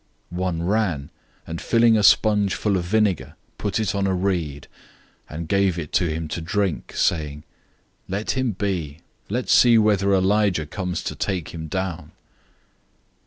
015:036 One ran, and filling a sponge full of vinegar, put it on a reed, and gave it to him to drink, saying, "Let him be. Let's see whether Elijah comes to take him down."